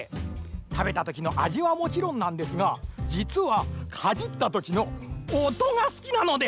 たべたときのあじはもちろんなんですがじつはかじったときのおとがすきなのです！